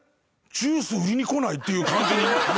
ジュース売りに来ないっていう感じに。